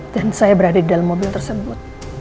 dan saya berada di dalam mobil tersebut